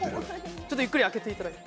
ちょっとゆっくり開けていただいて。